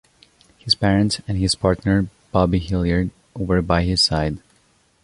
His parents and his partner Bobby Hilliard were by his side.